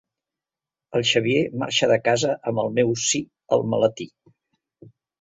El Xavier marxa de casa amb el meu sí al maletí.